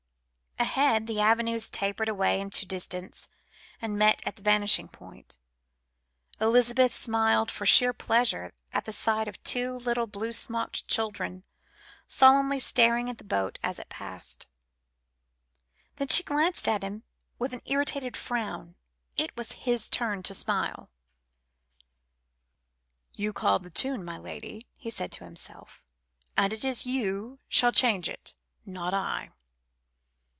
Ahead the avenues tapered away into distance, and met at the vanishing point. Elizabeth smiled for sheer pleasure at the sight of two little blue smocked children solemnly staring at the boat as it passed. Then she glanced at him with an irritated frown. It was his turn to smile. "You called the tune, my lady," he said to himself, "and it is you shall change it, not I."